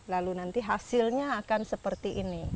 lalu nanti hasilnya akan seperti ini